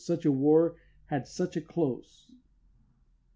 Such a war had such a close.